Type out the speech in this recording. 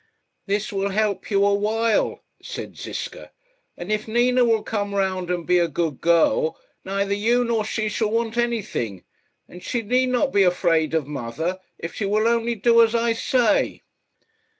"This will help you awhile," said Ziska, "and if Nina will come round and be a good girl, neither you nor she shall want anything; and she need not be afraid of mother, if she will only do as I say."